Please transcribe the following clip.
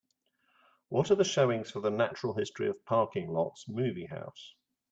What Are the showings for The Natural History of Parking Lots movie house